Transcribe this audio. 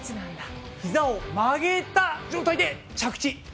ひざを曲げた状態で着地でしたね！